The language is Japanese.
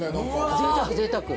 ぜいたくぜいたく。